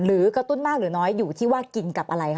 กระตุ้นมากหรือน้อยอยู่ที่ว่ากินกับอะไรคะ